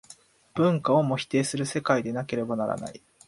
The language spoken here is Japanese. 文化をも否定する世界でなければならない。